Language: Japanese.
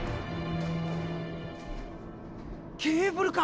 ケーブルか！